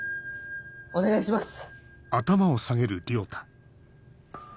お願いします。